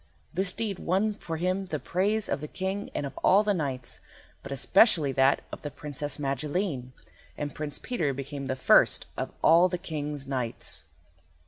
This deed won for him the praise of the King and of all the knights, but especially that of the Princess Magilene, and Prince Peter became the first of all the King's knights.